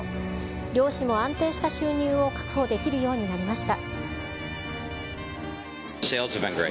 漁師も安定した収入を確保できるようになりました。